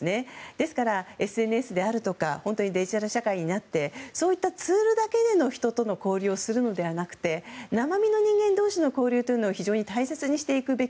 ですから、ＳＮＳであるとか本当にデジタル社会になってそういったツールだけで人との交流をするのではなく生身の人間同士の交流というのを非常に大切にしていくべき。